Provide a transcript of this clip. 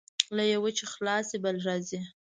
له یوه چې خلاص شې، بل راځي.